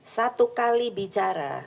satu kali bicara